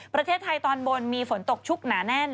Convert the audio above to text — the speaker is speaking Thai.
ประเทศไทยตอนบนมีฝนตกชุกหนาแน่น